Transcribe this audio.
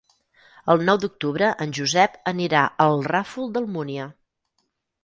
El nou d'octubre en Josep anirà al Ràfol d'Almúnia.